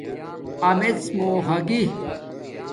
آمیڎ مُو ھاگی